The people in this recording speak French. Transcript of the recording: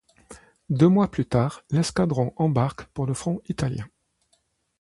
Deux mois plus tard, l'escadron embarque pour le Front italien.